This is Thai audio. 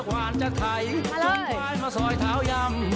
มาเลย